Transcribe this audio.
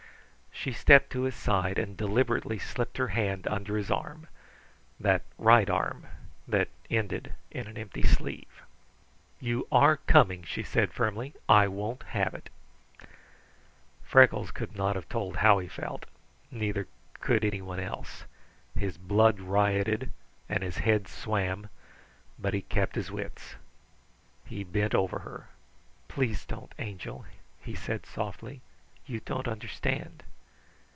She stepped to his side and deliberately slipped her hand under his arm that right arm that ended in an empty sleeve. "You are coming," she said firmly. "I won't have it." Freckles could not have told how he felt, neither could anyone else. His blood rioted and his head swam, but he kept his wits. He bent over her. "Please don't, Angel," he said softly. "You don't understand."